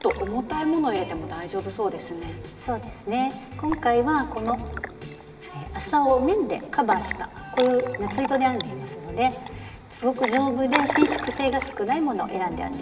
今回はこの麻を綿でカバーしたこういう夏糸で編んでいますのですごく丈夫で伸縮性が少ないものを選んで編んでいます。